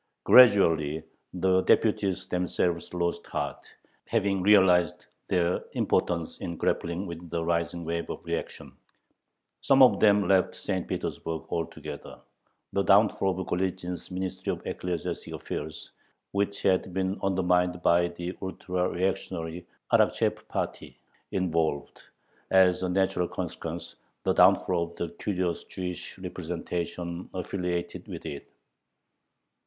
Gradually the deputies themselves lost heart, having realized their impotence in grappling with the rising wave of reaction. Some of them left St. Petersburg altogether. The downfall of Golitzin's Ministry of Ecclesiastic Affairs, which had been undermined by the ultra reactionary Arakcheyev party, involved, as a natural consequence, the downfall of the curious Jewish representation affiliated with it.